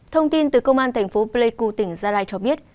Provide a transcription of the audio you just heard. thông tin từ công an tp pleiku tỉnh gia lai cho biết